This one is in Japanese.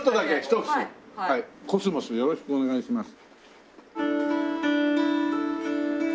『秋桜』よろしくお願いします。